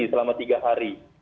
sosialisasi selama tiga hari